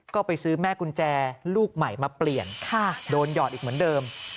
ก็ไปซื้อแม่กุญแจลูกใหม่มาเปลี่ยนโดนหยอดอีกเหมือนเดิม